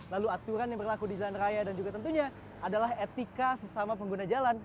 lalu aturan yang berlaku di jalan raya dan juga tentunya adalah etika sesama pengguna jalan